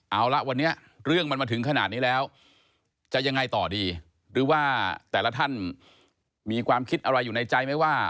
เอาละวันนี้เรื่องมันมาถึงขนาดนี้แล้วจะยังไงต่อดีหรือว่าแต่ละท่านมีความคิดอะไรอยู่ในใจไหมว่า